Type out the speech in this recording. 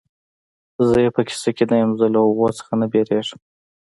زه یې په کیسه کې نه یم، زه له هغو څخه نه وېرېږم.